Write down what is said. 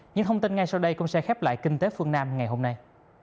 những thông tin ngay sau đây cũng sẽ khép lại kinh tế phương nam ngày hôm nay